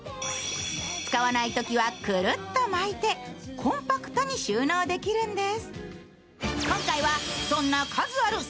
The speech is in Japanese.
使わないときは、くるっと巻いてコンパクトに収納できるんです。